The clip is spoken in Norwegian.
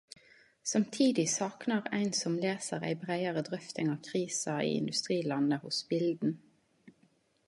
Samtidig saknar ein som lesar ei breiare drøfting av krisa i industrilandbruket hos Bilden.